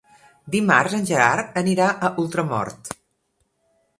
Dimarts en Gerard anirà a Ultramort.